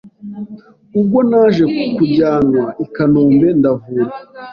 Ubwo naje kujyanwa I kanombe ndavurwa